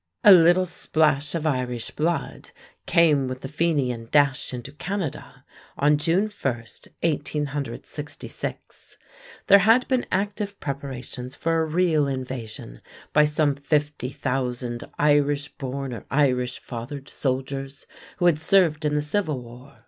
A little splash of Irish blood came with the Fenian dash into Canada on June 1, 1866. There had been active preparations for a real invasion by some 50,000 Irish born or Irish fathered soldiers who had served in the Civil War.